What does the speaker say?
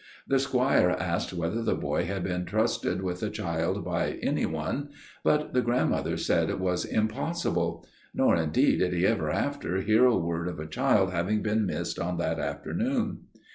The squire asked whether the boy had been trusted with a child by any one; but the grandmother said it was impossible. Nor indeed did he ever after hear a word of a child having been missed on that afternoon.